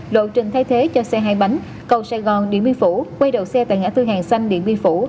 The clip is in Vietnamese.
lộ trình thay thế cho xe hai bánh cầu sài gòn điện biên phủ quay đầu xe tại ngã tư hàng xanh điện biên phủ